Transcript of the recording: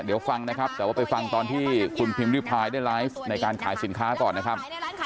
เดี๋ยวฟังนะครับแต่ว่าไปฟังตอนที่คุณพิมพิพายได้ไลฟ์ในการขายสินค้าก่อนนะครับ